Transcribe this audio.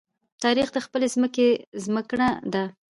تاریخ د خپلې ځمکې زمکړه ده.